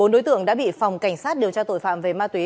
bốn đối tượng đã bị phòng cảnh sát điều tra tội phạm về ma túy